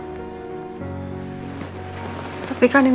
tidak ada yang bisa dikonsumsiin